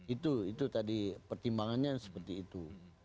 itu itu tadi pertimbangannya seperti itu